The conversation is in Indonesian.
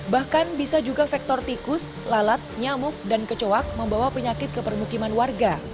bahkan bisa juga faktor tikus lalat nyamuk dan kecoak membawa penyakit ke permukiman warga